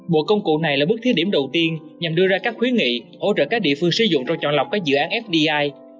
bộ công cụ này là bước thí điểm đầu tiên nhằm đưa ra các khuyến nghị hỗ trợ các địa phương sử dụng trong chọn lọc các dự án fdi